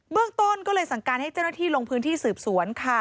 เรื่องต้นก็เลยสั่งการให้เจ้าหน้าที่ลงพื้นที่สืบสวนค่ะ